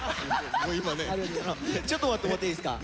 ちょっと待ってもらっていいですか？